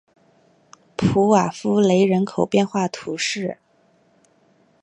普瓦夫雷人口变化图示